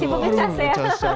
sibuk ngecas ya